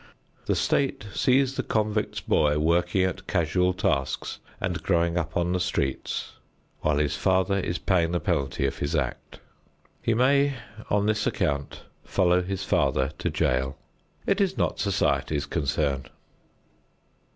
The state sees the convict's boy working at casual tasks and growing up on the streets, while his father is paying the penalty of his act. He may on this account follow his father to jail; it is not society's concern.